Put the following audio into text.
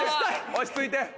落ち着いて！